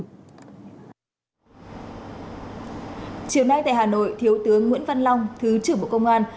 chiều nay tại hà nội thiếu tướng nguyễn văn long thứ trưởng bộ công an